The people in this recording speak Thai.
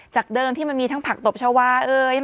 เดิมที่มันมีทั้งผักตบชาวาเอ่ย